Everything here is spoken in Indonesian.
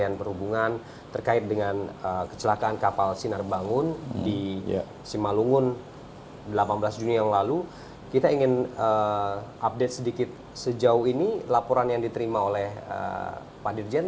ia berharap kisah kelamnya tak terjadi pada orang lain